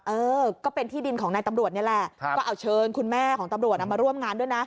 เออก็เป็นที่ดินของนายตำรวจนี่แหละก็เอาเชิญคุณแม่ของตำรวจมาร่วมงานด้วยนะ